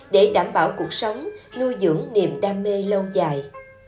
để đảm bảo cuộc sống nuôi dưỡng niềm đam mê lâu dài